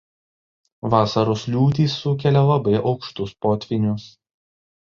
Vasaros liūtys sukelia labai aukštus potvynius.